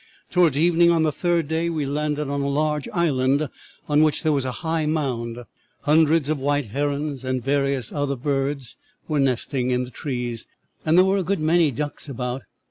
"'Towards evening, on the third day, we landed on a large island on which there was a high mound. Hundreds of white herons and various other kinds of birds were nesting in the trees, and there were a good many ducks about.